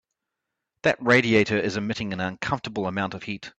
That radiator is emitting an uncomfortable amount of heat.